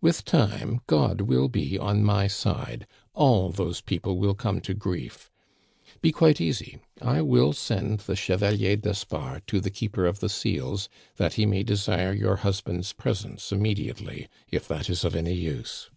With time God will be on my side; all those people will come to grief. Be quite easy, I will send the Chevalier d'Espard to the Keeper of the Seals that he may desire your husbands's presence immediately, if that is of any use."